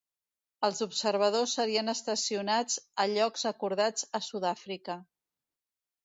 Els observadors serien estacionats a llocs acordats a Sud-àfrica.